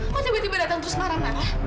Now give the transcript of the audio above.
kamu tiba tiba datang terus marah marah